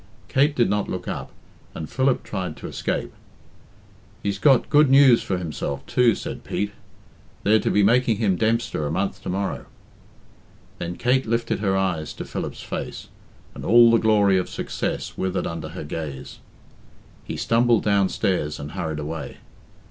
Kate did not look up, and Philip tried to escape. "He's got good news for himself, too" said Pete. "They're to be making him Dempster a month to morrow." Then Kate lifted her eyes to Philip's face, and all the glory of success withered under her gaze. He stumbled downstairs, and hurried away.